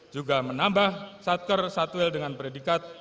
juga menambah satker satwil dengan predikat